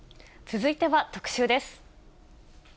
続いては特集です。